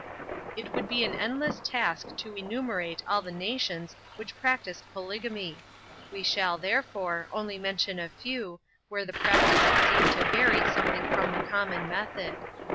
It would be an endless task to enumerate all the nations which practised polygamy; we shall, therefore, only mention a few, where the practice seemed to vary something from the common method.